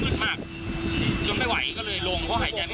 คือผมพยายามดูแล้วว่ามันคืออะไรแต่มันมืดมากจนไม่ไหว